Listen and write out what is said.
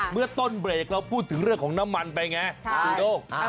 เมื่อต้นเรียนเราพูดถึงเรื่องของน้ำมันไปิ้ฟะยังไงเอิ้มน่าว